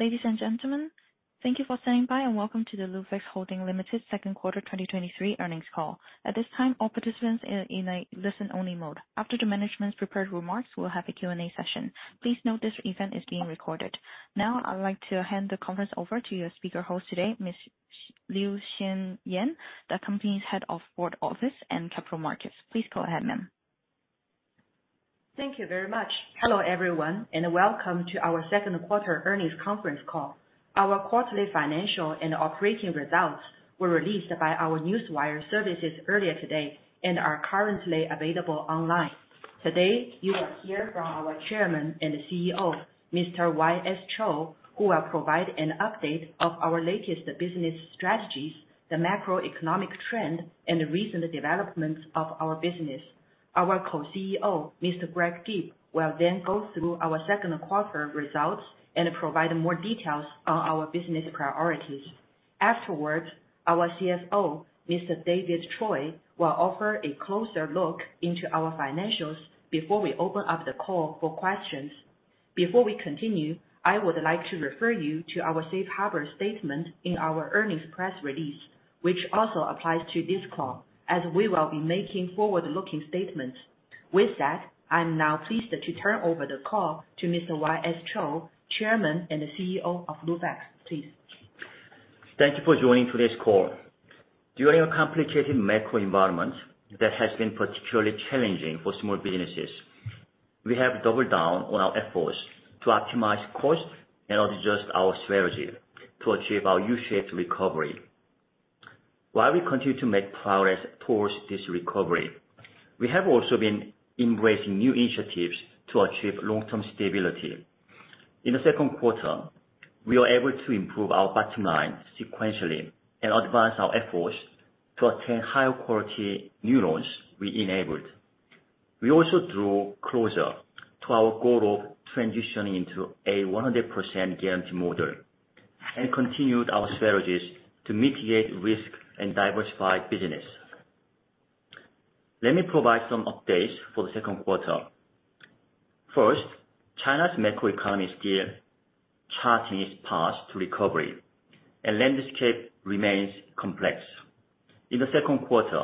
Ladies and gentlemen, thank you for standing by, and welcome to the Lufax Holding Ltd Second Quarter 2023 earnings call. At this time, all participants are in a listen-only mode. After the management's prepared remarks, we'll have a Q&A session. Please note this event is being recorded. Now, I would like to hand the conference over to your speaker host today, Ms. Liu Xinyan, the company's Head of Board Office and Capital Markets. Please go ahead, ma'am. Thank you very much. Hello, everyone, and welcome to our second quarter earnings conference call. Our quarterly financial and operating results were released by our Newswire services earlier today, and are currently available online. Today, you will hear from our Chairman and CEO, Mr. Y.S. Cho, who will provide an update of our latest business strategies, the macroeconomic trend, and the recent developments of our business. Our Co-CEO, Mr. Gregory Gibb, will then go through our second quarter results and provide more details on our business priorities. Afterwards, our CFO, Mr. David Choy, will offer a closer look into our financials before we open up the call for questions. Before we continue, I would like to refer you to our safe harbor statement in our earnings press release, which also applies to this call, as we will be making forward-looking statements. With that, I'm now pleased to turn over the call to Mr. Y.S Cho, Chairman and CEO of Lufax, please. Thank you for joining today's call. During a complicated macro environment that has been particularly challenging for small businesses, we have doubled down on our efforts to optimize costs and adjust our strategy to achieve our U-shaped recovery. While we continue to make progress towards this recovery, we have also been embracing new initiatives to achieve long-term stability. In the second quarter, we are able to improve our bottom line sequentially and advance our efforts to attain higher quality new loans we enabled. We also drew closer to our goal of transitioning into a 100% guarantee model, and continued our strategies to mitigate risk and diversify business. Let me provide some updates for the second quarter. First, China's macro economy is still charting its path to recovery, and landscape remains complex. In the second quarter,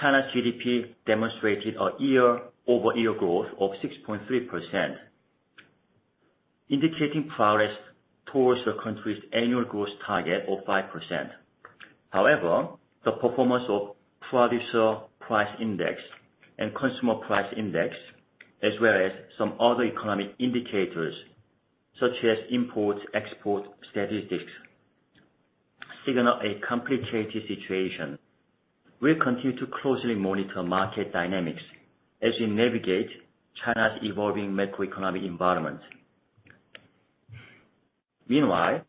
China's GDP demonstrated a year-over-year growth of 6.3%, indicating progress towards the country's annual growth target of 5%. However, the performance of producer price index and Consumer Price Index, as well as some other economic indicators, such as import, export statistics, signal a complicated situation. We'll continue to closely monitor market dynamics as we navigate China's evolving macroeconomic environment. Meanwhile,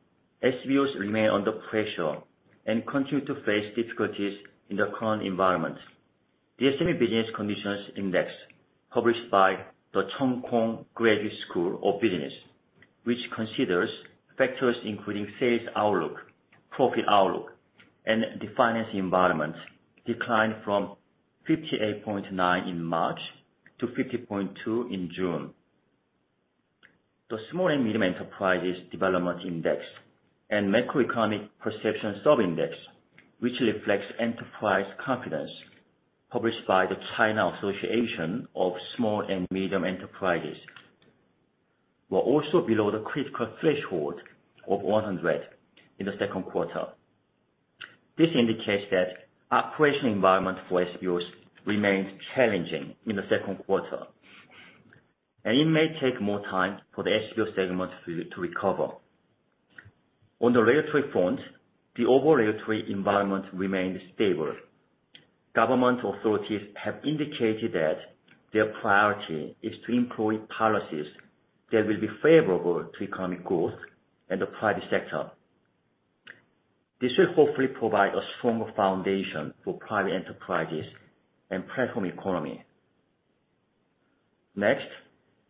SBOs remain under pressure and continue to face difficulties in the current environment. The CKGSB Business Conditions Index, published by the Cheung Kong Graduate School of Business, which considers factors including sales outlook, profit outlook, and the finance environment, declined from 58.9 in March to 50.2 in June. The Small and Medium Enterprises Development Index and Macroeconomic Perception Sub-index, which reflects enterprise confidence, published by the China Association of Small and Medium Enterprises, were also below the critical threshold of 100 in the second quarter. This indicates that operation environment for SBOs remains challenging in the second quarter, and it may take more time for the SBO segment to recover. On the regulatory front, the overall regulatory environment remained stable. Government authorities have indicated that their priority is to employ policies that will be favorable to economic growth and the private sector. This will hopefully provide a stronger foundation for private enterprises and platform economy. Next,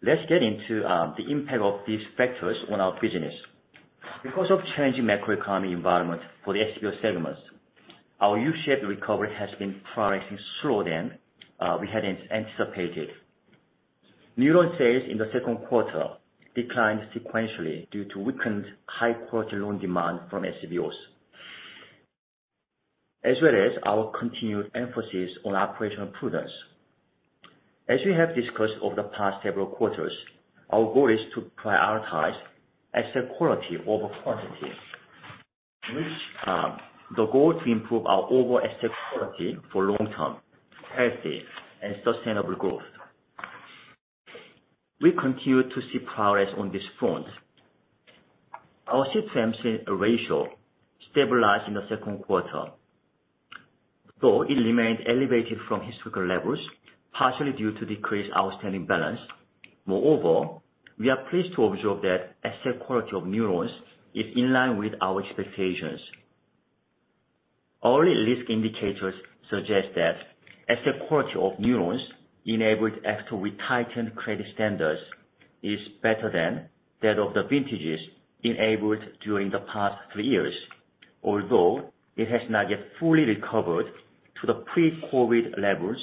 let's get into the impact of these factors on our business. Because of changing macroeconomy environment for the SBO segments, our U-shaped recovery has been progressing slower than we had anticipated. New loan sales in the second quarter declined sequentially due to weakened high-quality loan demand from SBOs, as well as our continued emphasis on operational prudence. As we have discussed over the past several quarters, our goal is to prioritize asset quality over quantity, which, the goal to improve our overall asset quality for long-term healthy and sustainable growth. We continue to see progress on this front. Our system ratio stabilized in the second quarter, though it remained elevated from historical levels, partially due to decreased outstanding balance. Moreover, we are pleased to observe that asset quality of new loans is in line with our expectations. Early risk indicators suggest that asset quality of new loans enabled after we tightened credit standards, is better than that of the vintages enabled during the past three years, although it has not yet fully recovered to the pre-COVID levels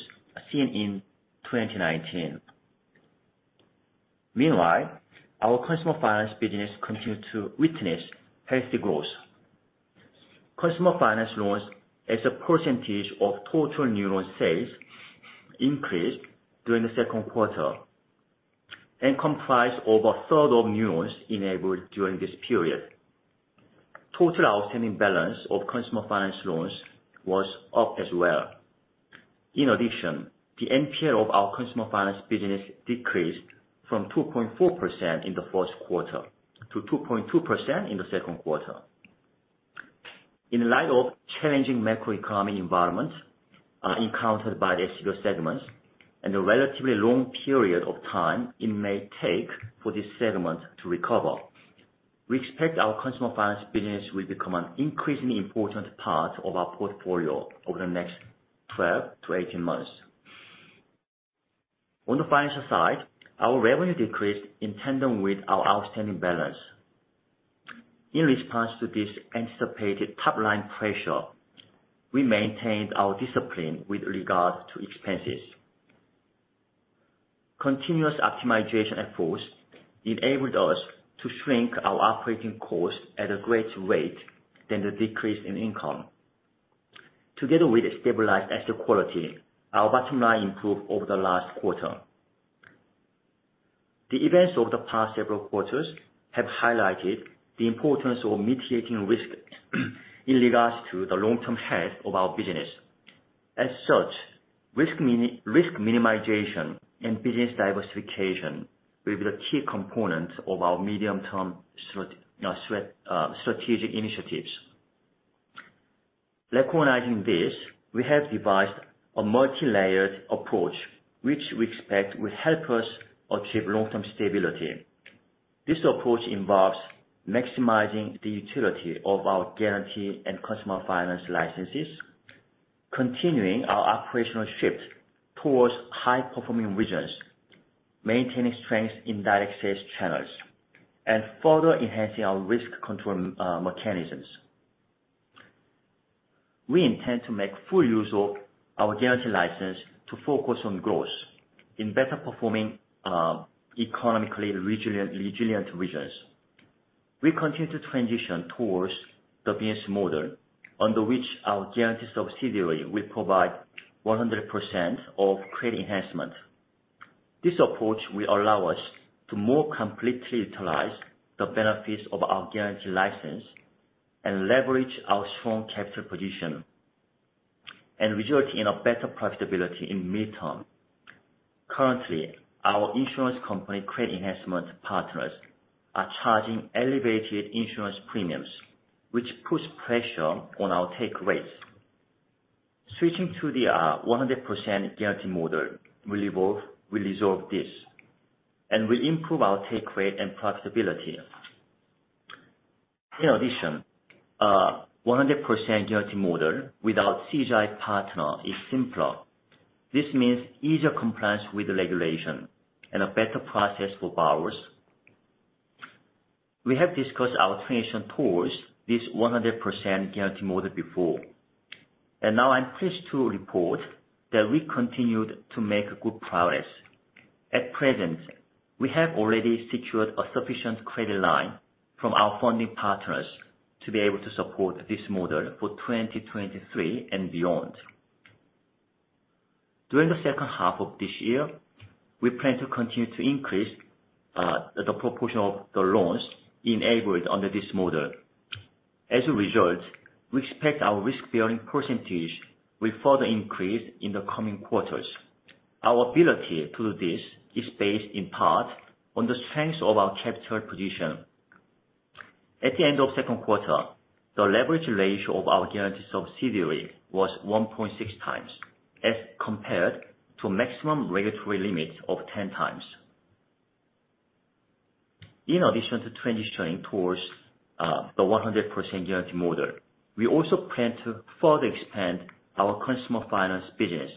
seen in 2019. Meanwhile, our consumer finance business continues to witness healthy growth. Consumer finance loans as a percentage of total new loan sales increased during the second quarter, and comprised over 1/3 of new loans enabled during this period. Total outstanding balance of consumer finance loans was up as well. In addition, the NPL of our consumer finance business decreased from 2.4% in the first quarter to 2.2% in the second quarter. In light of challenging macroeconomic environments encountered by the SBO segments and the relatively long period of time it may take for this segment to recover, we expect our consumer finance business will become an increasingly important part of our portfolio over the next 12-18 months. On the financial side, our revenue decreased in tandem with our outstanding balance. In response to this anticipated top line pressure, we maintained our discipline with regard to expenses. Continuous optimization efforts enabled us to shrink our operating costs at a greater rate than the decrease in income. Together with a stabilized asset quality, our bottom line improved over the last quarter. The events of the past several quarters have highlighted the importance of mitigating risk in regards to the long-term health of our business. As such, risk minimization and business diversification will be the key components of our medium-term strategic initiatives. Recognizing this, we have devised a multilayered approach, which we expect will help us achieve long-term stability. This approach involves maximizing the utility of our guarantee and consumer finance licenses, continuing our operational shift towards high-performing regions, maintaining strength in direct sales channels, and further enhancing our risk control mechanisms. We intend to make full use of our guarantee license to focus on growth in better performing, economically resilient, resilient regions. We continue to transition towards the business model, under which our guarantee subsidiary will provide 100% of credit enhancement. This approach will allow us to more completely utilize the benefits of our guarantee license, and leverage our strong capital position, and result in a better profitability in midterm. Currently, our insurance company credit enhancement partners are charging elevated insurance premiums, which puts pressure on our take rates. Switching to the 100% guarantee model will resolve this, and will improve our take rate and profitability. In addition, 100% guarantee model without CGI partner is simpler. This means easier compliance with the regulation and a better process for borrowers. We have discussed our transition towards this 100% guarantee model before, and now I'm pleased to report that we continued to make good progress. At present, we have already secured a sufficient credit line from our funding partners to be able to support this model for 2023 and beyond. During the second half of this year, we plan to continue to increase the proportion of the loans enabled under this model. As a result, we expect our risk-bearing percentage will further increase in the coming quarters. Our ability to do this is based in part on the strength of our capital position. At the end of second quarter, the leverage ratio of our guarantee subsidiary was 1.6x as compared to a maximum regulatory limit of 10x. In addition to transitioning towards the 100% guarantee model, we also plan to further expand our consumer finance business.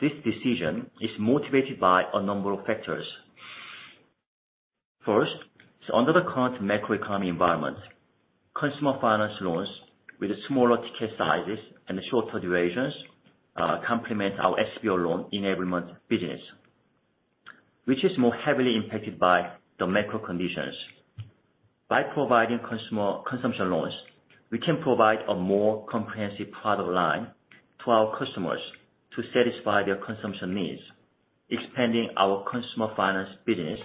This decision is motivated by a number of factors. First, under the current macroeconomy environment, consumer finance loans with smaller ticket sizes and shorter durations complement our SBO loan enablement business, which is more heavily impacted by the macro conditions. By providing consumer consumption loans, we can provide a more comprehensive product line to our customers to satisfy their consumption needs. Expanding our consumer finance business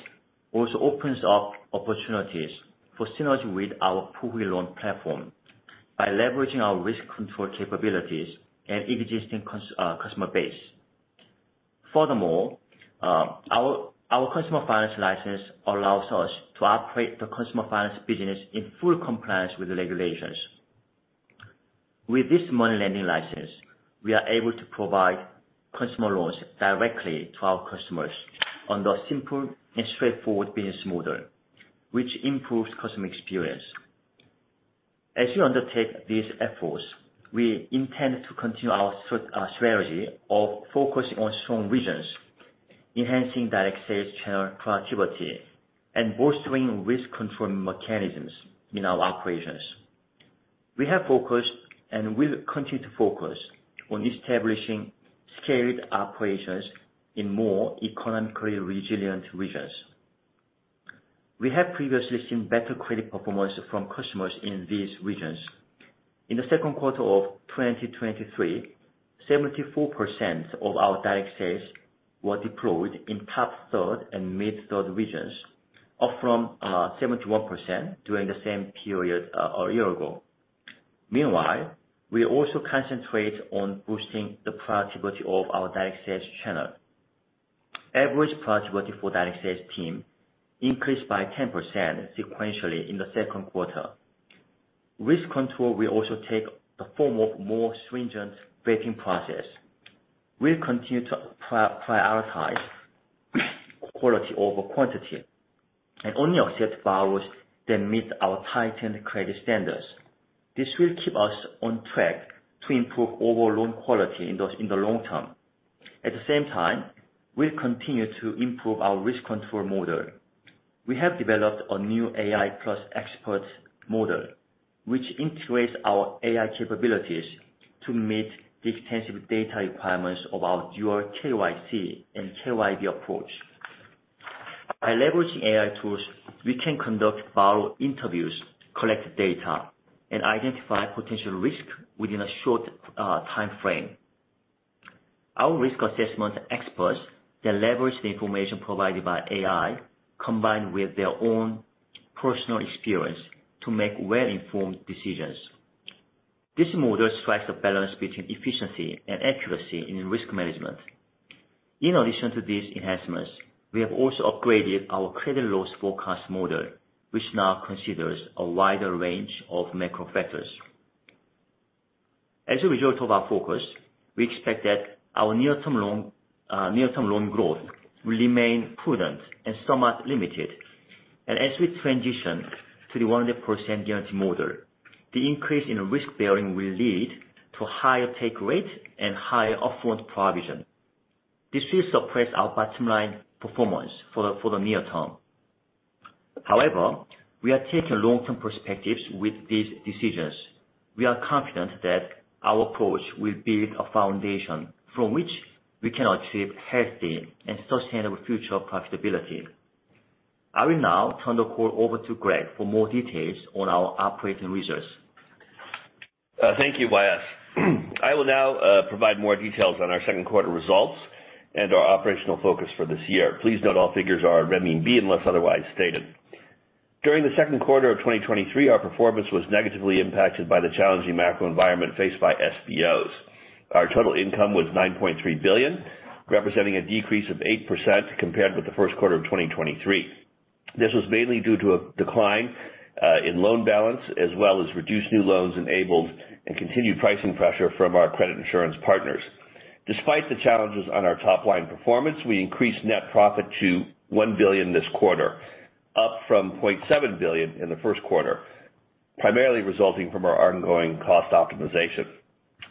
also opens up opportunities for synergy with our Puhui loan platform, by leveraging our risk control capabilities and existing customer base. Furthermore, our, our consumer finance license allows us to operate the consumer finance business in full compliance with the regulations. With this money lending license, we are able to provide consumer loans directly to our customers under a simple and straightforward business model, which improves customer experience. As we undertake these efforts, we intend to continue our strategy of focusing on strong regions.... enhancing direct sales channel productivity, and bolstering risk control mechanisms in our operations. We have focused, and we'll continue to focus on establishing scaled operations in more economically resilient regions. We have previously seen better credit performance from customers in these regions. In the second quarter of 2023, 74% of our direct sales were deployed in top third and mid-third regions, up from 71% during the same period a year ago. Meanwhile, we also concentrate on boosting the productivity of our direct sales channel. Average productivity for direct sales team increased by 10% sequentially in the second quarter. Risk control will also take the form of more stringent vetting process. We'll continue to prioritize quality over quantity, and only accept borrowers that meet our tightened credit standards. This will keep us on track to improve overall loan quality in the long term. At the same time, we'll continue to improve our risk control model. We have developed a new AI plus expert model, which integrates our AI capabilities to meet the extensive data requirements of our dual KYC and KYB approach. By leveraging AI tools, we can conduct borrower interviews, collect data, and identify potential risk within a short time frame. Our risk assessment experts then leverage the information provided by AI, combined with their own personal experience, to make well-informed decisions. This model strikes a balance between efficiency and accuracy in risk management. In addition to these enhancements, we have also upgraded our credit loss forecast model, which now considers a wider range of macro factors. As a result of our focus, we expect that our near-term loan growth will remain prudent and somewhat limited. As we transition to the 100% guarantee model, the increase in risk bearing will lead to higher take rate and higher upfront provision. This will suppress our bottom line performance for the near term. However, we are taking long-term perspectives with these decisions. We are confident that our approach will build a foundation from which we can achieve healthy and sustainable future profitability. I will now turn the call over to Greg for more details on our operating results. Thank you, YS. I will now provide more details on our second quarter results and our operational focus for this year. Please note, all figures are renminbi, unless otherwise stated. During the second quarter of 2023, our performance was negatively impacted by the challenging macro environment faced by SBOs. Our total income was 9.3 billion, representing a decrease of 8% compared with the first quarter of 2023. This was mainly due to a decline in loan balance, as well as reduced new loans enabled and continued pricing pressure from our credit insurance partners. Despite the challenges on our top line performance, we increased net profit to 1 billion this quarter, up from 0.7 billion in the first quarter, primarily resulting from our ongoing cost optimization.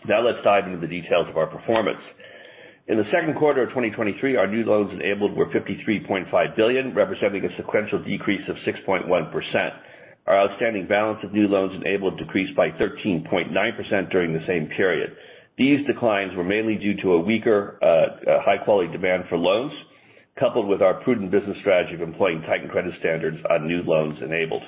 Now let's dive into the details of our performance. In the second quarter of 2023, our new loans enabled were 53.5 billion, representing a sequential decrease of 6.1%. Our outstanding balance of new loans enabled decreased by 13.9% during the same period. These declines were mainly due to a weaker, high quality demand for loans, coupled with our prudent business strategy of employing tightened credit standards on new loans enabled.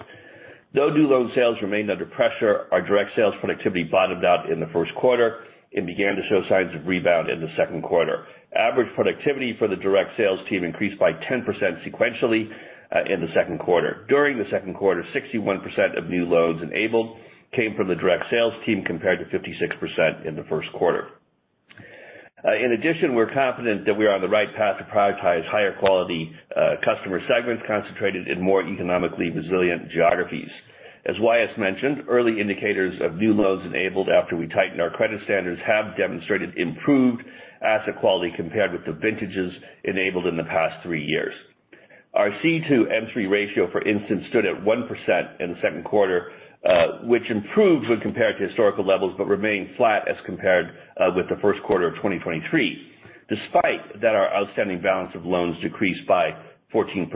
Though new loan sales remained under pressure, our direct sales productivity bottomed out in the first quarter and began to show signs of rebound in the second quarter. Average productivity for the direct sales team increased by 10% sequentially in the second quarter. During the second quarter, 61% of new loans enabled came from the direct sales team, compared to 56% in the first quarter. In addition, we're confident that we are on the right path to prioritize higher quality customer segments concentrated in more economically resilient geographies. As YS mentioned, early indicators of new loans enabled after we tightened our credit standards, have demonstrated improved asset quality compared with the vintages enabled in the past three years. Our C-M3 ratio, for instance, stood at 1% in the second quarter, which improved when compared to historical levels, but remained flat as compared with the first quarter of 2023, despite that our outstanding balance of loans decreased by 14%.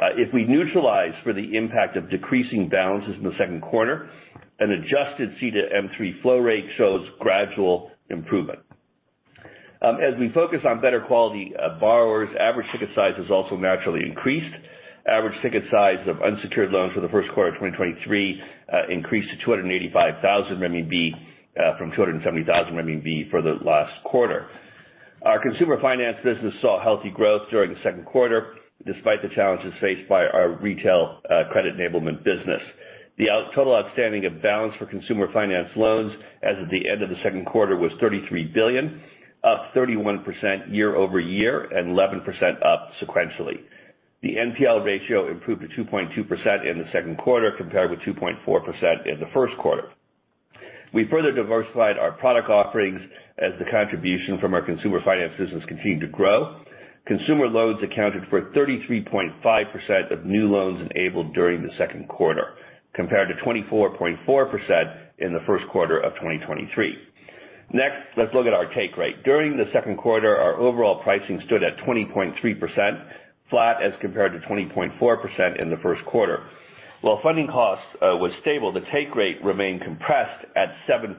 If we neutralize for the impact of decreasing balances in the second quarter, an adjusted C-M3 flow rate shows gradual improvement. As we focus on better quality borrowers, average ticket size has also naturally increased. Average ticket size of unsecured loans for the first quarter of 2023 increased to 285,000 RMB from 270,000 RMB for the last quarter. Our consumer finance business saw healthy growth during the second quarter, despite the challenges faced by our retail credit enablement business. The total outstanding of balance for consumer finance loans as of the end of the second quarter, was 33 billion, up 31% year-over-year and 11% up sequentially. The NPL ratio improved to 2.2% in the second quarter, compared with 2.4% in the first quarter. We further diversified our product offerings as the contribution from our consumer finance business continued to grow. Consumer loans accounted for 33.5% of new loans enabled during the second quarter, compared to 24.4% in the first quarter of 2023. Next, let's look at our take rate. During the second quarter, our overall pricing stood at 20.3%, flat as compared to 20.4% in the first quarter. While funding cost was stable, the take rate remained compressed at 7%,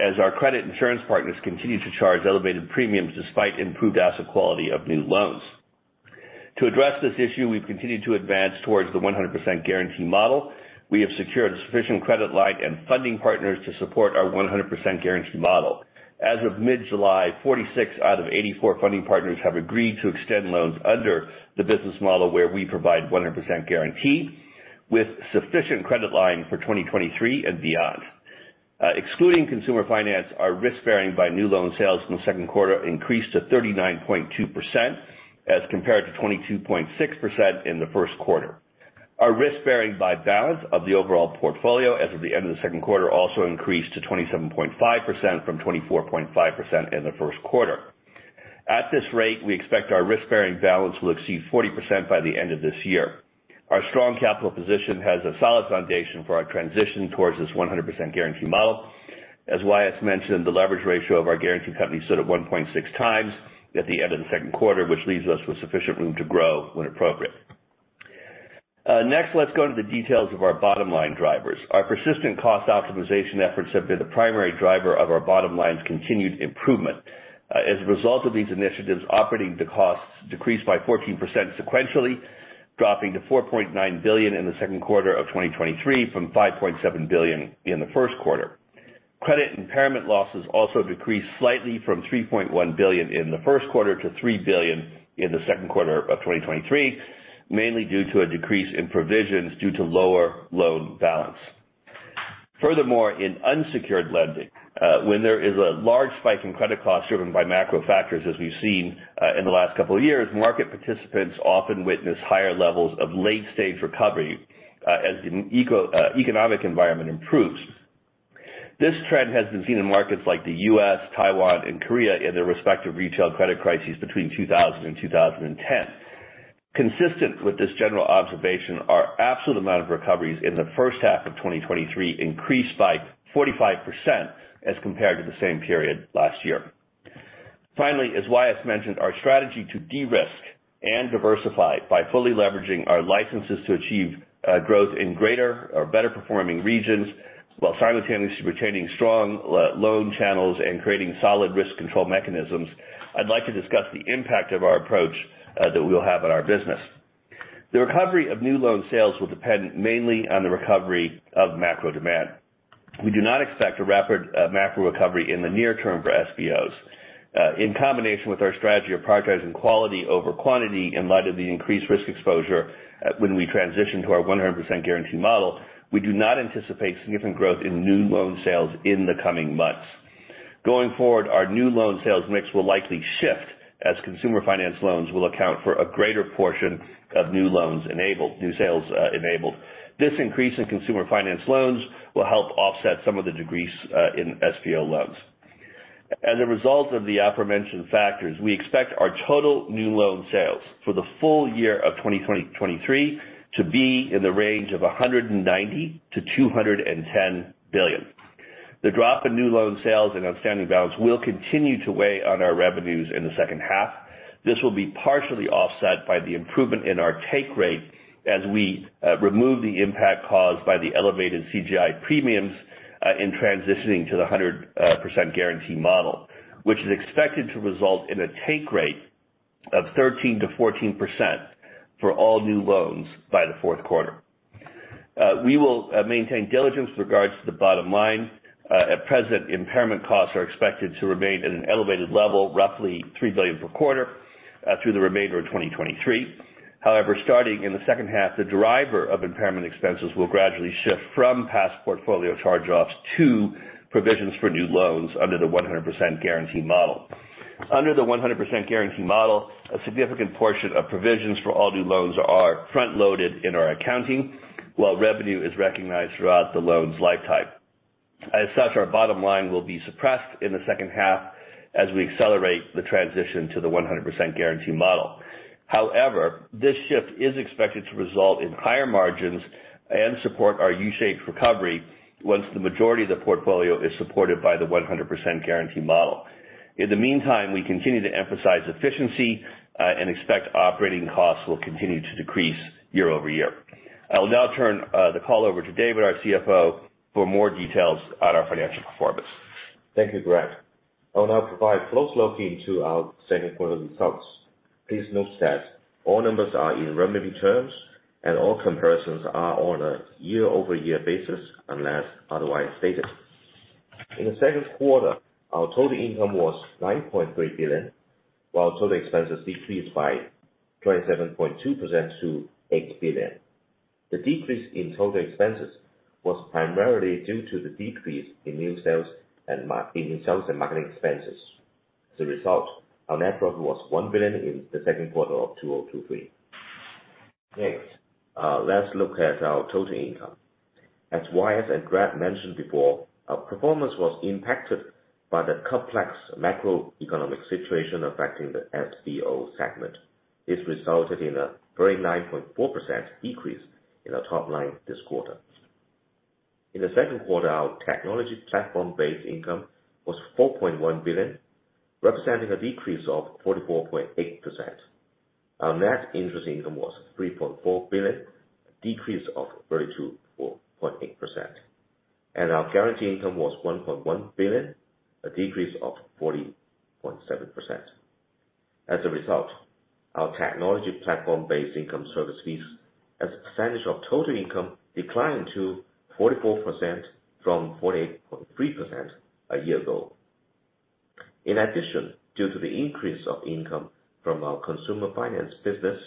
as our credit insurance partners continued to charge elevated premiums despite improved asset quality of new loans. To address this issue, we've continued to advance towards the 100% guarantee model. We have secured a sufficient credit line and funding partners to support our 100% guarantee model. As of mid-July, 46 out of 84 funding partners have agreed to extend loans under the business model, where we provide 100% guarantee, with sufficient credit line for 2023 and beyond. Excluding consumer finance, our risk-bearing by new loan sales in the second quarter increased to 39.2%, as compared to 22.6% in the first quarter. Our risk-bearing by balance of the overall portfolio as of the end of the second quarter, also increased to 27.5% from 24.5% in the first quarter. At this rate, we expect our risk-bearing balance will exceed 40% by the end of this year. Our strong capital position has a solid foundation for our transition towards this 100% guarantee model. As YS mentioned, the leverage ratio of our guarantee company stood at 1.6x at the end of the second quarter, which leaves us with sufficient room to grow when appropriate. Let's go into the details of our bottom-line drivers. Our persistent cost optimization efforts have been the primary driver of our bottom line's continued improvement. As a result of these initiatives, operating the costs decreased by 14% sequentially, dropping to 4.9 billion in the second quarter of 2023, from 5.7 billion in the first quarter. Credit impairment losses also decreased slightly from 3.1 billion in the first quarter to 3 billion in the second quarter of 2023, mainly due to a decrease in provisions due to lower loan balance. Furthermore, in unsecured lending, when there is a large spike in credit costs driven by macro factors, as we've seen in the last couple of years, market participants often witness higher levels of late-stage recovery, as the economic environment improves. This trend has been seen in markets like the US, Taiwan, and Korea, in their respective retail credit crises between 2000 and 2010. Consistent with this general observation, our absolute amount of recoveries in the first half of 2023 increased by 45% as compared to the same period last year. Finally, as YS mentioned, our strategy to de-risk and diversify by fully leveraging our licenses to achieve growth in greater or better-performing regions, while simultaneously retaining strong loan channels and creating solid risk control mechanisms, I'd like to discuss the impact of our approach that we will have on our business. The recovery of new loan sales will depend mainly on the recovery of macro demand. We do not expect a rapid macro recovery in the near term for SBOs. In combination with our strategy of prioritizing quality over quantity, in light of the increased risk exposure, when we transition to our 100% guarantee model, we do not anticipate significant growth in new loan sales in the coming months. Going forward, our new loan sales mix will likely shift, as consumer finance loans will account for a greater portion of new loans enabled, new sales enabled. This increase in consumer finance loans will help offset some of the decrease in SBO loans. As a result of the aforementioned factors, we expect our total new loan sales for the full year of 2023 to be in the range of 190 billion-210 billion. The drop in new loan sales and outstanding balance will continue to weigh on our revenues in the second half. This will be partially offset by the improvement in our take rate as we remove the impact caused by the elevated CGI premiums in transitioning to the 100% guarantee model, which is expected to result in a take rate of 13%-14% for all new loans by the fourth quarter. We will maintain diligence with regards to the bottom line. At present, impairment costs are expected to remain at an elevated level, roughly 3 billion per quarter through the remainder of 2023. However, starting in the second half, the driver of impairment expenses will gradually shift from past portfolio charge-offs to provisions for new loans under the 100% guarantee model. Under the 100% guarantee model, a significant portion of provisions for all new loans are front-loaded in our accounting, while revenue is recognized throughout the loan's lifetime. As such, our bottom line will be suppressed in the second half as we accelerate the transition to the 100% guarantee model. However, this shift is expected to result in higher margins and support our U-shaped recovery, once the majority of the portfolio is supported by the 100% guarantee model. In the meantime, we continue to emphasize efficiency, and expect operating costs will continue to decrease year-over-year. I'll now turn the call over to David, our CFO, for more details on our financial performance. Thank you, Greg. I'll now provide close look into our second quarter results. Please note that all numbers are in Renminbi terms, and all comparisons are on a year-over-year basis, unless otherwise stated. In the second quarter, our total income was 9.3 billion, while total expenses decreased by 27.2% to 8 billion. The decrease in total expenses was primarily due to the decrease in new sales and marketing expenses. As a result, our net profit was 1 billion in the second quarter of 2023. Next, let's look at our total income. As YS and Greg mentioned before, our performance was impacted by the complex macroeconomic situation affecting the SBO segment. This resulted in a 39.4% decrease in our top line this quarter. In the second quarter, our technology platform-based income was 4.1 billion, representing a decrease of 44.8%. Our net interest income was 3.4 billion, a decrease of 32.8%, and our guarantee income was 1.1 billion, a decrease of 40.7%. As a result, our technology platform-based income service fees as a percentage of total income declined to 44% from 48.3% a year ago. In addition, due to the increase of income from our consumer finance business,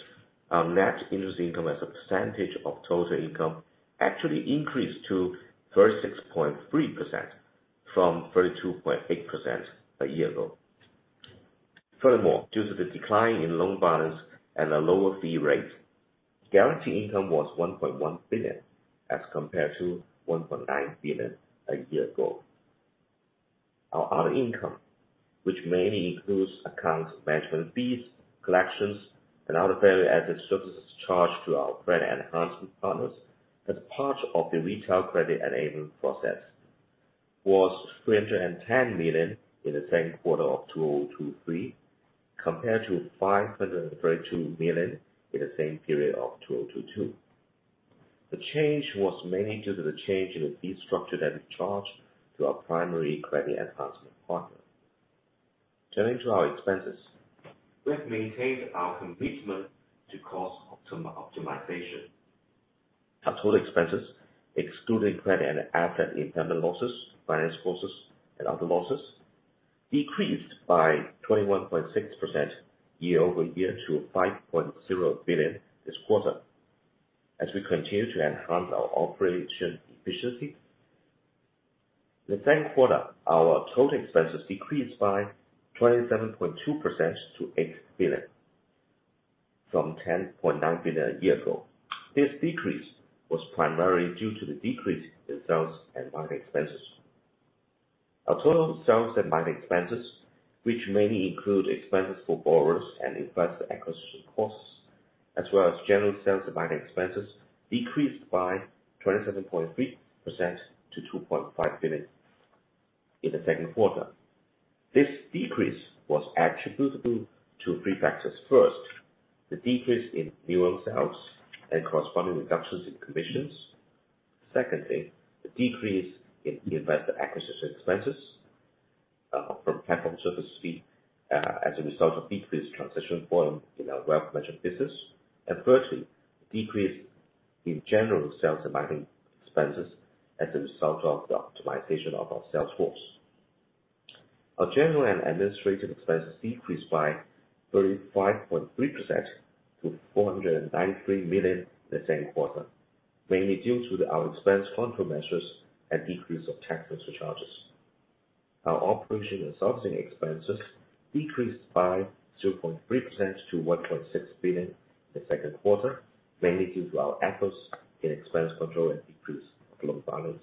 our net interest income as a percentage of total income actually increased to 36.3% from 32.8% a year ago. Furthermore, due to the decline in loan balance and a lower fee rate, guarantee income was 1.1 billion, as compared to 1.9 billion a year ago. Our other income, which mainly includes accounts management fees, collections, and other value-added services charged to our credit enhancement partners as part of the retail credit enabling process, was 310 million in the second quarter of 2023, compared to 532 million in the same period of 2022. The change was mainly due to the change in the fee structure that we charged to our primary credit enhancement partner. Turning to our expenses, we have maintained our commitment to cost optimization. Our total expenses, excluding credit and asset impairment losses, finance costs, and other losses, decreased by 21.6% year-over-year to 5.0 billion this quarter as we continue to enhance our operation efficiency. The same quarter, our total expenses decreased by 27.2% to 8 billion, from 10.9 billion a year ago. This decrease was primarily due to the decrease in sales and market expenses. Our total sales and market expenses, which mainly include expenses for borrowers and investor acquisition costs, as well as general sales and marketing expenses, decreased by 27.3% to 2.5 billion in the second quarter. This decrease was attributable to three factors. First, the decrease in new loan sales and corresponding reductions in commissions. Secondly, the decrease in investor acquisition expenses, from platform service fee, as a result of decreased transition volume in our wealth management business. Thirdly, decrease in general sales and marketing expenses as a result of the optimization of our sales force. Our general and administrative expenses decreased by 35.3% to 493 million the same quarter, mainly due to our expense control measures and decrease of tax charges. Our operation and sourcing expenses decreased by 0.3% to 1.6 billion in the second quarter, mainly due to our efforts in expense control and decrease of loan balance.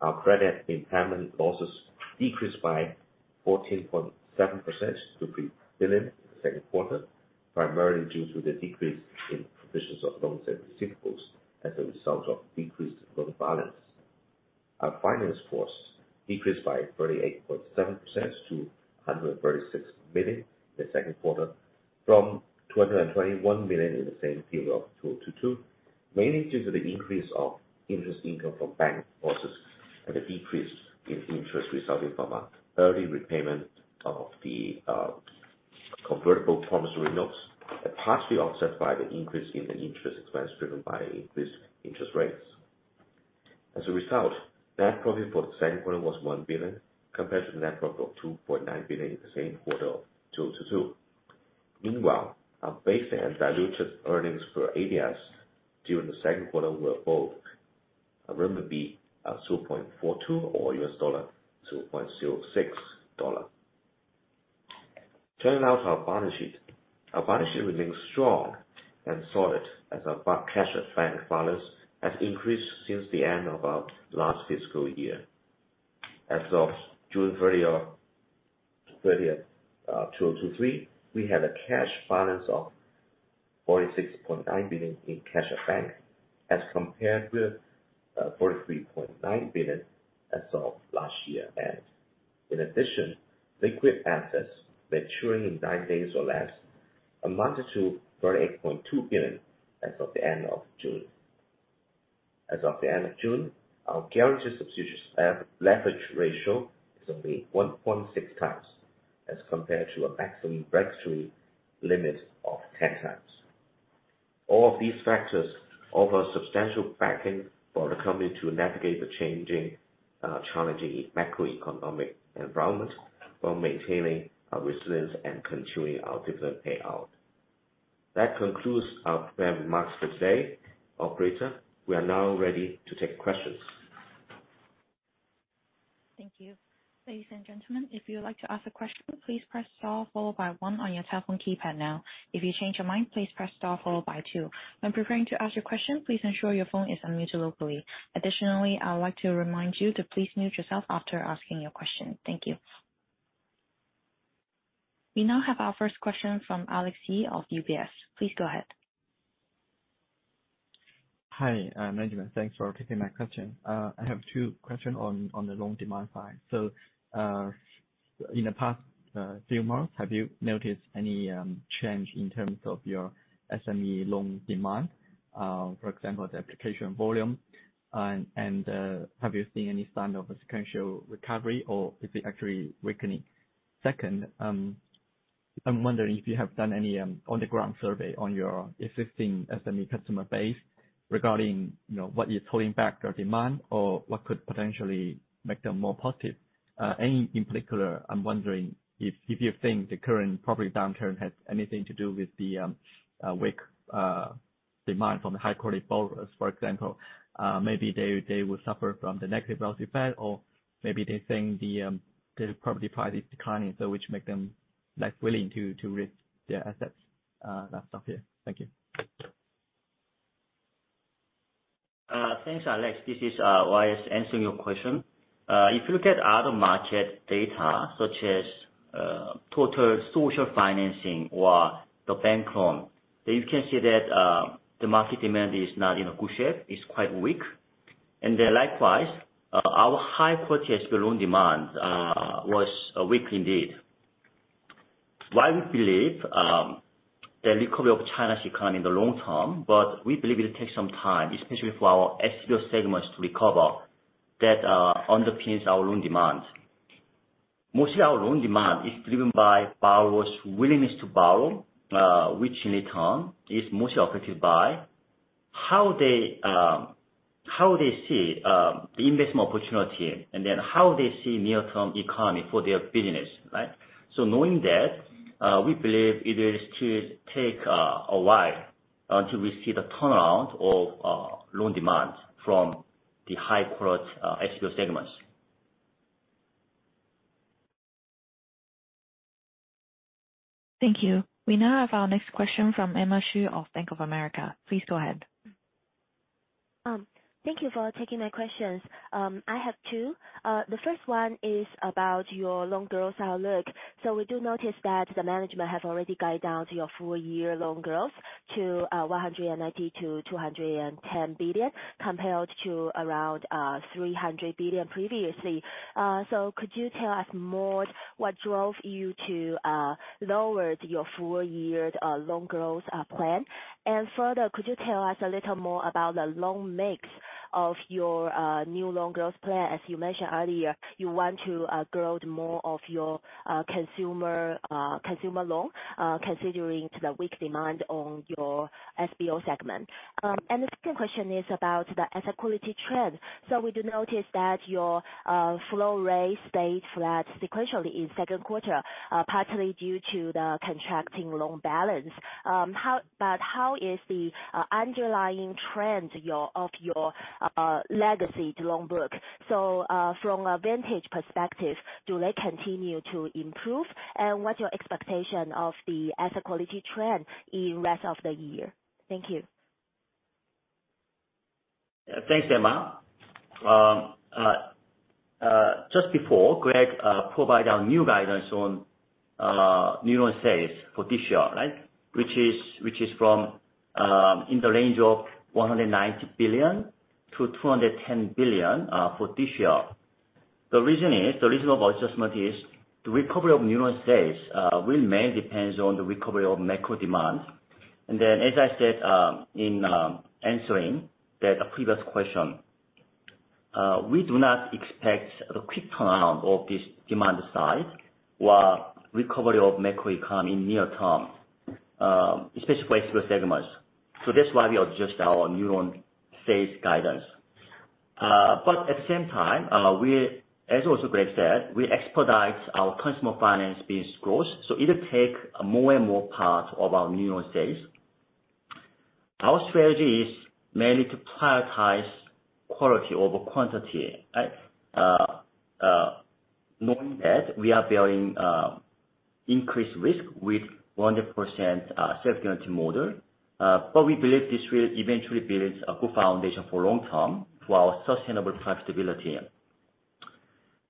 Our credit impairment losses decreased by 14.7% to 3 billion in the second quarter, primarily due to the decrease in provisions of loans and receivables as a result of decreased loan balance. Our finance costs decreased by 38.7% to 136 million in the second quarter, from 221 million in the same period of 2022, mainly due to the increase of interest income from bank losses and a decrease in interest resulting from an early repayment of the convertible promissory notes, partially offset by the increase in the interest expense driven by increased interest rates. As a result, net profit for the second quarter was 1 billion, compared to the net profit of 2.9 billion in the same quarter of 2022. Meanwhile, our basic and diluted earnings per ADS during the second quarter were both 2.42 or RMB2.06. Turning now to our balance sheet. Our balance sheet remains strong and solid as our cash and bank balance has increased since the end of our last fiscal year. As of June 30, 2023, we had a cash balance of 46.9 billion in cash and bank, as compared with 43.9 billion as of last year end. In addition, liquid assets maturing in nine days or less amounted to 38.2 billion as of the end of June. As of the end of June, our guaranteed substitutes leverage ratio is only 1.6x, as compared to a maximum regulatory limit of 10x. All of these factors offer substantial backing for the company to navigate the changing, challenging macroeconomic environment, while maintaining our resilience and continuing our dividend payout. That concludes our remarks for today. Operator, we are now ready to take questions. Thank you. Ladies and gentlemen, if you would like to ask a question, please press star followed by one on your telephone keypad now. If you change your mind, please press star followed by two. When preparing to ask your question, please ensure your phone is unmuted locally. Additionally, I would like to remind you to please mute yourself after asking your question. Thank you. We now have our first question from Alex Yee of UBS. Please go ahead. Hi, management. Thanks for taking my question. I have two questions on the loan demand side. In the past few months, have you noticed any change in terms of your SME loan demand? For example, the application volume, and have you seen any sign of a sequential recovery, or is it actually weakening? Second, I'm wondering if you have done any on the ground survey on your existing SME customer base regarding, you know, what is holding back their demand, or what could potentially make them more positive? Any in particular, I'm wondering if, if you think the current property downturn has anything to do with the weak demand from the high quality borrowers, for example, maybe they, they will suffer from the negative wealth effect, or maybe they think the property price is declining, so which make them less willing to, to risk their assets? I'll stop here. Thank you. Thanks, Alex. This is YS answering your question. If you look at other market data, such as total social financing or the bank loan, you can see that the market demand is not in a good shape, it's quite weak. Likewise, our high quality SBL loan demand was weak indeed. While we believe the recovery of China's economy in the long term, we believe it will take some time, especially for our SBO segments to recover, that underpins our loan demand. Mostly our loan demand is driven by borrowers' willingness to borrow, which in turn is mostly affected by how they, how they see the investment opportunity, how they see near-term economy for their business, right? Knowing that, we believe it is to take a while, until we see the turnaround of loan demand from the high growth SBO segments. Thank you. We now have our next question from Emma Xu of Bank of America. Please go ahead. Thank you for taking my questions. I have two. The first one is about your loan growth outlook. We do notice that the management have already guided down to your full year loan growth to 190 billion-210 billion, compared to around 300 billion previously. Could you tell us more what drove you to lower your full year loan growth plan? Further, could you tell us a little more about the loan mix of your new loan growth plan? As you mentioned earlier, you want to grow more of your consumer consumer loan, considering to the weak demand on your SBO segment. The second question is about the asset quality trend. We do notice that your flow rate stayed flat sequentially in second quarter, partly due to the contracting loan balance. But how is the underlying trend your, of your legacy loan book? From a vintage perspective, do they continue to improve? What's your expectation of the asset quality trend in rest of the year? Thank you. Thanks, Emma. Just before, Greg provided our new guidance on new loan sales for this year, right? Which is from in the range of 190 billion to 210 billion for this year. The reason is, the reason of adjustment is, the recovery of new loan sales really mainly depends on the recovery of macro demand. As I said in answering the previous question, we do not expect a quick turnaround of this demand side, while recovery of macroeconomy in near term, especially for SBO segments. That's why we adjust our new loan sales guidance. But at the same time, we, as also Greg said, we expedite our personal finance business growth, so it'll take more and more part of our new loan sales. Our strategy is mainly to prioritize quality over quantity, right? Knowing that we are bearing increased risk with 100% self-guarantee model, but we believe this will eventually builds a good foundation for long-term, for our sustainable profitability.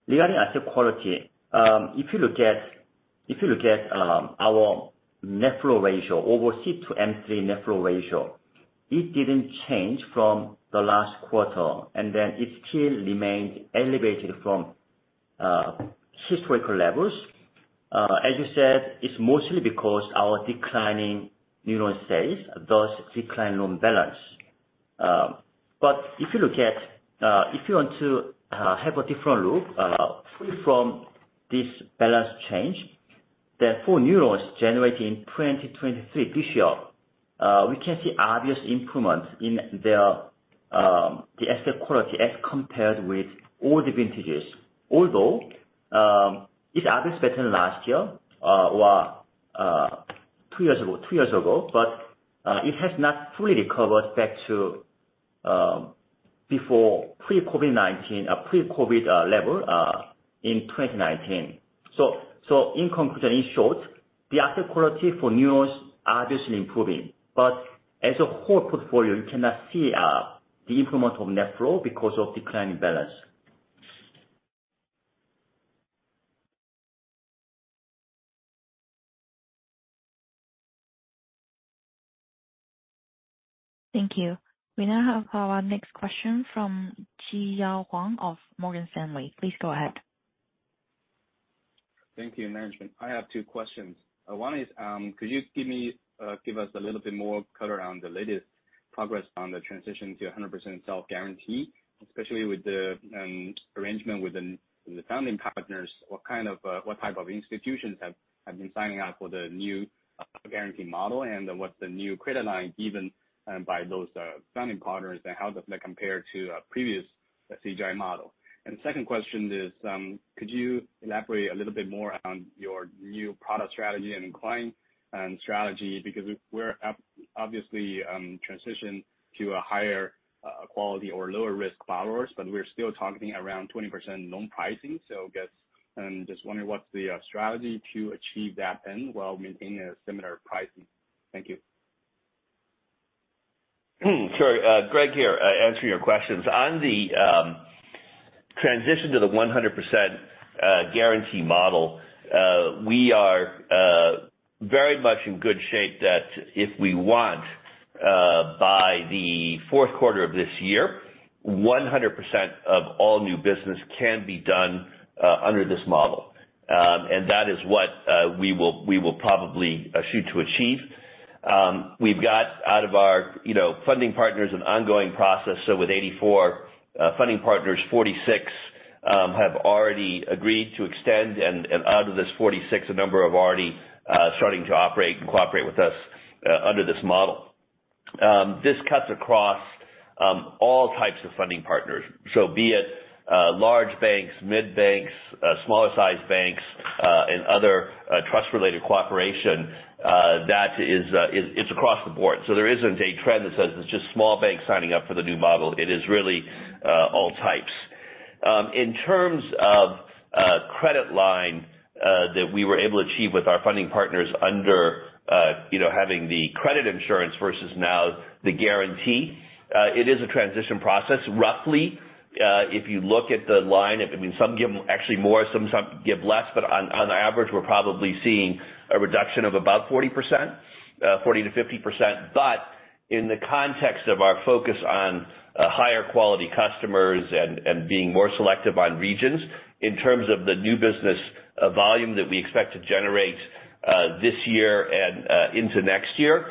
Regarding asset quality, if you look at our net flow ratio, overall C-M3 net flow ratio, it didn't change from the last quarter, then it still remains elevated from historical levels. As you said, it's mostly because our declining new loan sales, thus declining loan balance. If you look at, if you want to have a different look, free from this balance change, the four new loans generated in 2023 this year, we can see obvious improvement in their the asset quality as compared with older vintages. Although, it's better than last year, or two years ago, two years ago, but it has not fully recovered back to before pre-COVID-19 or pre-COVID level in 2019. In conclusion, in short, the asset quality for new loans obviously improving, but as a whole portfolio, you cannot see the improvement of net flow because of declining balance. Thank you. We now have our next question from Chiyao Huang of Morgan Stanley. Please go ahead. Thank you, management. I have two questions. One is, could you give us a little bit more color on the latest progress on the transition to 100% self-guarantee, especially with the arrangement with the funding partners? What kind of, what type of institutions have been signing up for the new guarantee model, and what's the new credit line given by those funding partners, and how does that compare to previous CGI model? The second question is, could you elaborate a little bit more on your new product strategy and client strategy? Because we're obviously transition to a higher quality or lower risk borrowers, but we're still talking around 20% loan pricing. I guess I'm just wondering, what's the strategy to achieve that end while maintaining a similar pricing? Thank you. Greg here. Answering your questions. On the transition to the 100% guarantee model, we are very much in good shape that if we want, by the fourth quarter of this year, 100% of all new business can be done under this model. That is what we will, we will probably shoot to achieve. We've got out of our, you know, funding partners an ongoing process. With 84 funding partners, 46 have already agreed to extend, and out of this 46, a number have already starting to operate and cooperate with us under this model. This cuts across all types of funding partners. Be it large banks, mid banks, smaller-sized banks, and other trust-related cooperation, that is, it's across the board. There isn't a trend that says it's just small banks signing up for the new model. It is really all types. In terms of credit line that we were able to achieve with our funding partners under, you know, having the credit insurance versus now the guarantee, it is a transition process. Roughly, if you look at the line, I mean, some give actually more, some give less, but on average, we're probably seeing a reduction of about 40%, 40%-50%. In the context of our focus on higher quality customers and, and being more selective on regions, in terms of the new business volume that we expect to generate this year and into next year,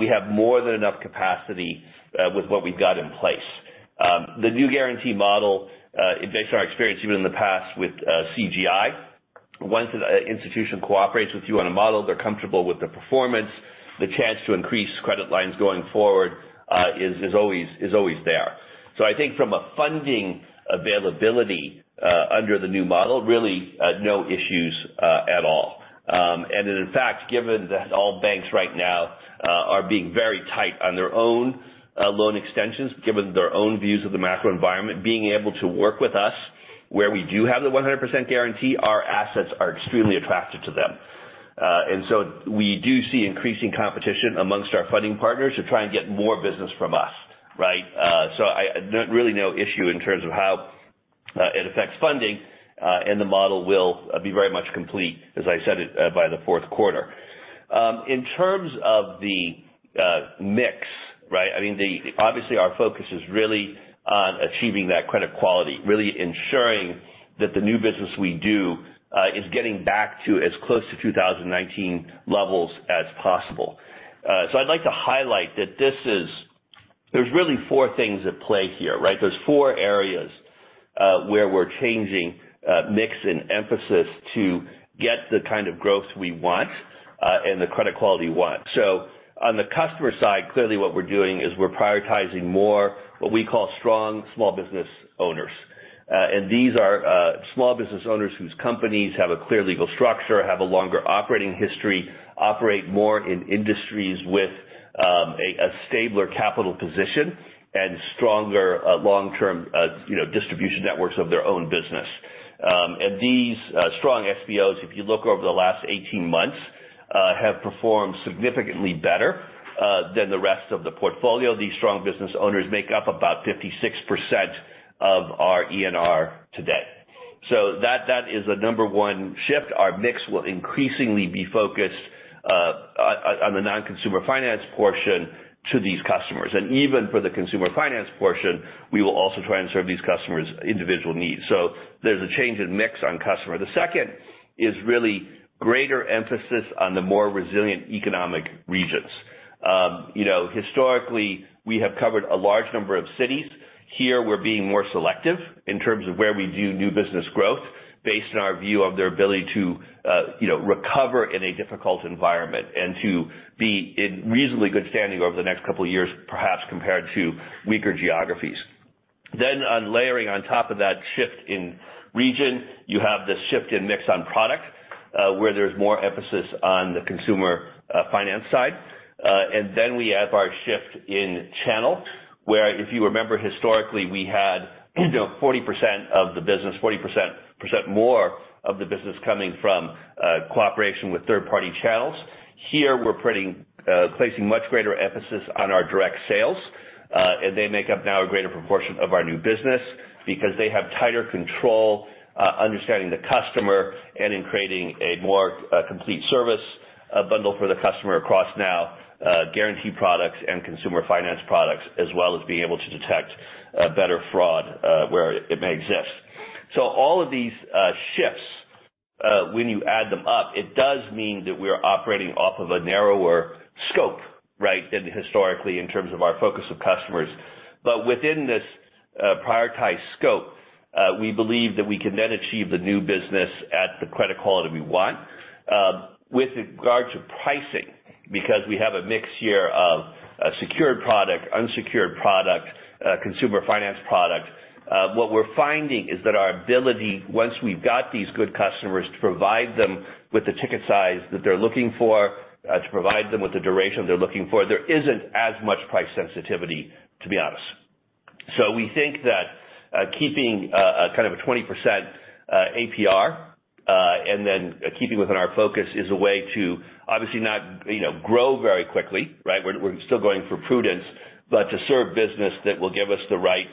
we have more than enough capacity with what we've got in place. The new guarantee model, based on our experience, even in the past with CGI, once an institution cooperates with you on a model, they're comfortable with the performance, the chance to increase credit lines going forward, is, is always, is always there. I think from a funding availability under the new model, really, no issues at all. In fact, given that all banks right now, are being very tight on their own loan extensions, given their own views of the macro environment, being able to work with us where we do have the 100% guarantee, our assets are extremely attractive to them. So we do see increasing competition amongst our funding partners to try and get more business from us, right? Really no issue in terms of how it affects funding, and the model will be very much complete, as I said, by the fourth quarter. In terms of the mix, right? I mean, obviously, our focus is really on achieving that credit quality, really ensuring that the new business we do, is getting back to as close to 2019 levels as possible. I'd like to highlight that there's really 4 things at play here, right? There's four areas where we're changing mix and emphasis to get the kind of growth we want and the credit quality we want. On the customer side, clearly what we're doing is we're prioritizing more what we call strong small business owners. And these are small business owners whose companies have a clear legal structure, have a longer operating history, operate more in industries with a stabler capital position and stronger long-term, you know, distribution networks of their own business. And these strong SBOs, if you look over the last 18 months, have performed significantly better than the rest of the portfolio. These strong business owners make up about 56% of our ENR today. That, that is the number one shift. Our mix will increasingly be focused on, on the non-consumer finance portion to these customers. Even for the consumer finance portion, we will also try and serve these customers' individual needs. There's a change in mix on customer. The second is really greater emphasis on the more resilient economic regions. You know, historically, we have covered a large number of cities. Here, we're being more selective in terms of where we do new business growth based on our view of their ability to, you know, recover in a difficult environment and to be in reasonably good standing over the next couple of years, perhaps compared to weaker geographies. On layering on top of that shift in region, you have the shift in mix on product, where there's more emphasis on the consumer finance side. Then we have our shift in channel, where if you remember historically, we had, you know, 40% of the business, 44 % more of the business coming from cooperation with third-party channels. Here, we're pretty placing much greater emphasis on our direct sales. They make up now a greater proportion of our new business because they have tighter control, understanding the customer and in creating a more complete service bundle for the customer across now guarantee products and consumer finance products, as well as being able to detect better fraud, where it may exist. All of these shifts, when you add them up, it does mean that we are operating off of a narrower scope, right? Than historically in terms of our focus of customers. Within this prioritized scope, we believe that we can then achieve the new business at the credit quality we want. With regard to pricing, because we have a mix here of secured product, unsecured product, consumer finance product, what we're finding is that our ability, once we've got these good customers, to provide them with the ticket size that they're looking for, to provide them with the duration they're looking for, there isn't as much price sensitivity, to be honest. We think that keeping a kind of a 20% APR, and then keeping within our focus is a way to obviously not, you know, grow very quickly, right? We're still going for prudence, but to serve business that will give us the right,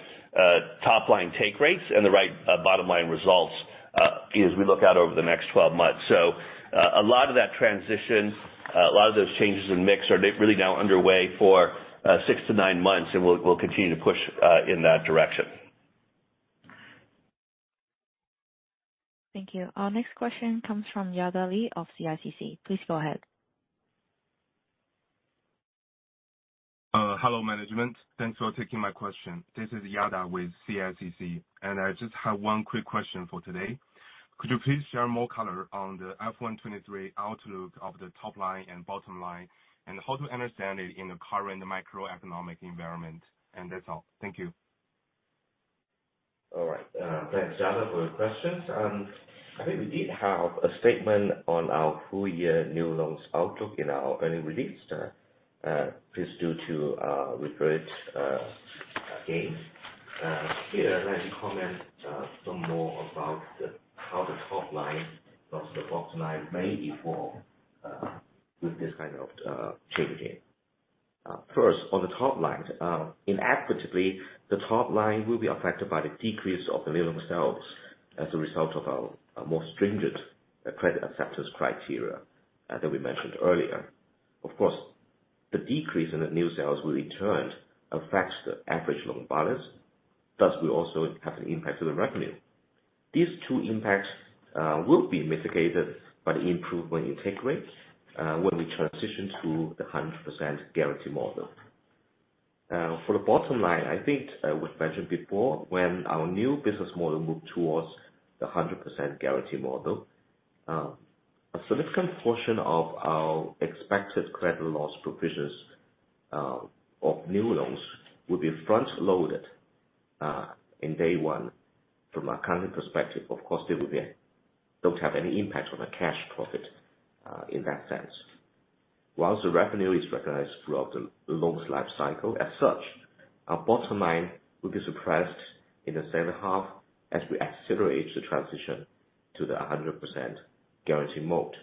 top-line take rates and the right, bottom-line results, as we look out over the next 12 months. A lot of that transition, a lot of those changes in mix are really now underway for six to nine months, and we'll continue to push in that direction. Thank you. Our next question comes from Yada Li of CICC. Please go ahead. Hello, management. Thanks for taking my question. This is Yada with CICC. I just have 1 quick question for today. Could you please share more color on the H2 2023 outlook of the top line and bottom line, and how to understand it in the current macroeconomic environment? That's all. Thank you. All right. Thanks, Yada, for your questions. I think we did have a statement on our full year new loans outlook in our earnings release. Please do to refer it again. Here, let me comment some more about how the top line of the bottom line may evolve with this kind of changing. First, on the top line. Iniquitably, the top line will be affected by the decrease of the new loan sales as a result of our more stringent credit acceptance criteria that we mentioned earlier. Of course, the decrease in the new sales will in turn affect the average loan balance, thus will also have an impact on the revenue. These two impacts will be mitigated by the improvement in take rates when we transition to the 100% guarantee model. For the bottom line, I think, we've mentioned before, when our new business model moved towards the 100% guarantee model, a significant portion of our expected credit loss provisions of new loans will be front loaded in day one. From our current perspective, of course, they don't have any impact on the cash profit in that sense. Whilst the revenue is recognized throughout the loan's life cycle, as such, our bottom line will be suppressed in H2 as we accelerate the transition to the 100% guarantee mode.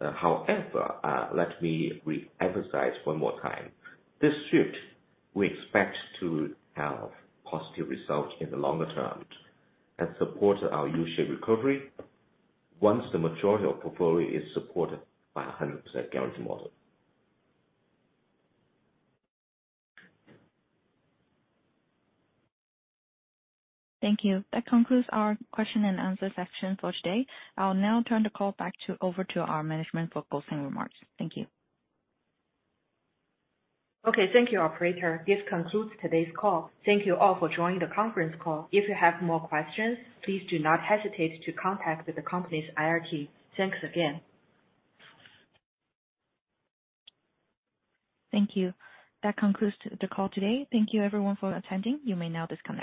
However, let me re-emphasize one more time. This shift, we expect to have positive results in the longer term and support our U-shaped recovery once the majority of portfolio is supported by a 100% guarantee model. Thank you. That concludes our question and answer session for today. I'll now turn the call back over to our management for closing remarks. Thank you. Okay, thank you, operator. This concludes today's call. Thank you all for joining the conference call. If you have more questions, please do not hesitate to contact the company's IRT. Thanks again. Thank you. That concludes the call today. Thank you everyone for attending. You may now disconnect.